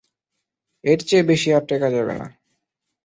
এর চেয়ে বেশি আর টেকা যাবে না।